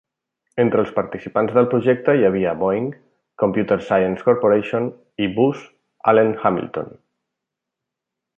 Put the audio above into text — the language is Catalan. Entre els participants del projecte hi havia Boeing, Computer Sciences Corporation i Booz Allen Hamilton.